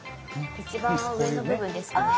一番上の部分ですかね。